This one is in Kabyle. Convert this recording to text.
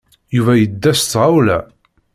Yuba yedda s tɣawla.